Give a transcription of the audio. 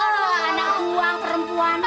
aduh anak buang perempuan